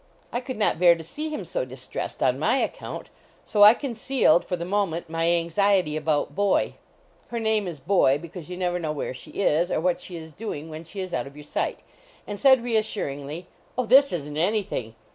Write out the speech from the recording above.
I could not bear to see him so distressed on my account, so I concealed, for the mo ment, my anxiety about Boy her name is 253 HOUSEHOLD PETS Boy, because you never know where she is or what she is doing when she is out of your sight and said, reassuringly: " Oh, this isn t anything.